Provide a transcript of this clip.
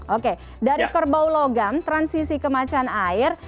oke dari kerbau logam transisi ke macan air